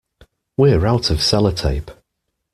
We're out of sellotape.